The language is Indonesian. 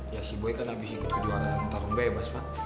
ya si boy kan habis ikut kejuaraan tarung bebas pak